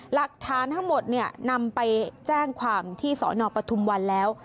หลักฐานทั้งหมดเนี่ยนำไปแจ้งความที่สนปทุมวันแล้ว